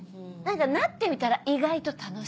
なってみたら意外と楽しそう。